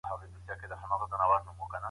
موږ باید له حیواناتو سره هم نرم چلند وکړو.